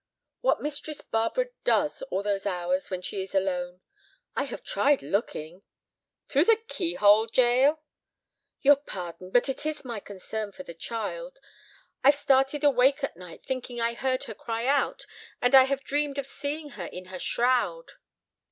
"What Mistress Barbara does all those hours when she is alone. I have tried looking—" "Through the key hole, Jael?" "Your pardon, but it is my concern for the child. I've started awake at night thinking I heard her cry out, and I have dreamed of seeing her in her shroud."